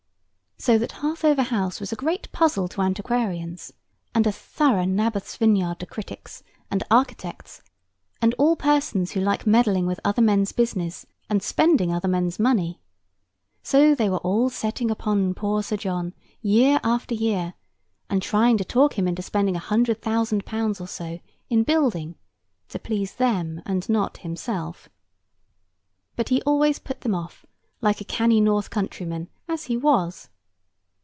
So that Harthover House was a great puzzle to antiquarians, and a thorough Naboth's vineyard to critics, and architects, and all persons who like meddling with other men's business, and spending other men's money. So they were all setting upon poor Sir John, year after year, and trying to talk him into spending a hundred thousand pounds or so, in building, to please them and not himself. But he always put them off, like a canny North countryman as he was.